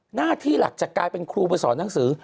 หน้าที่หลักจากการเป็นครูไปสอนหนังสือ